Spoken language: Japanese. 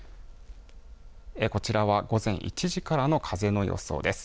こちらは午前１時からの風の予想です。